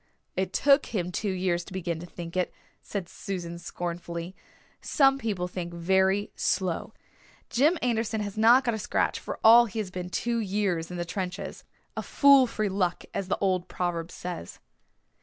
"It took him two years to begin to think it," said Susan scornfully. "Some people think very slow. Jim Anderson has not got a scratch, for all he has been two years in the trenches. A fool for luck, as the old proverb says."